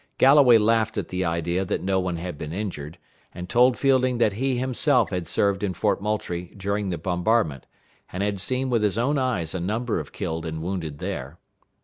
Galloway laughed at the idea that no one had been injured, and told Fielding that he himself had served in Fort Moultrie during the bombardment, and had seen with his own eyes a number of killed and wounded there.